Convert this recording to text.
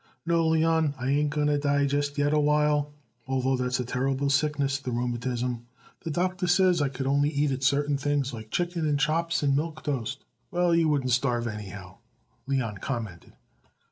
"No, Leon, I ain't going to die just yet a while, although that's a terrible sickness, the rheumatism. The doctor says I could only eat it certain things like chicken and chops and milk toast." "Well, you wouldn't starve, anyhow," Leon commented.